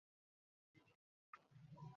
তিনি গতিকে কাজে লাগাতেন।